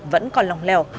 vẫn còn lòng lẻo